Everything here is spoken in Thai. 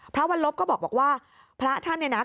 วันลบก็บอกว่าพระท่านเนี่ยนะ